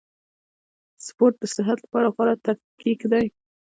سپورټ د صحت له پاره غوره تفکیک دئ.